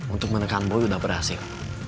untuk menekan boy udah berhasil